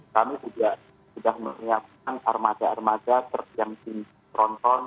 kami sudah menyiapkan armada armada terhiasin teronton